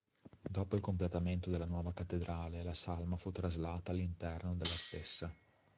Dopo il completamento della nuova cattedrale la salma fu traslata all'interno della stessa.